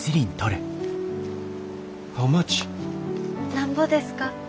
なんぼですか？